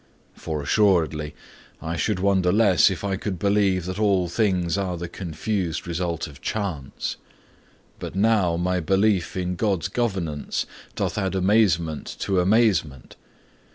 For assuredly I should wonder less if I could believe that all things are the confused result of chance. But now my belief in God's governance doth add amazement to amazement.